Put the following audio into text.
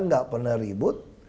enggak pernah ribut